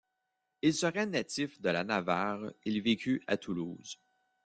Il serait natif de la Navarre, il vécut à Toulouse.